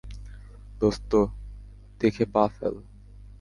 দোস্ত, দেখে পা ফেল।